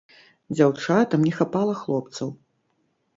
Дзяўчатам не хапала хлопцаў.